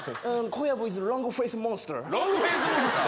小薮イズロングフェイスモンスター。